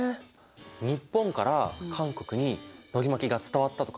日本から韓国にのり巻きが伝わったとか？